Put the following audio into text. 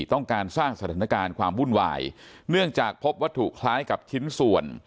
ต้องการสร้างสถานการณ์ความวุ่นวายเนื่องจากพบวัตถุคล้ายกับชิ้นส่วน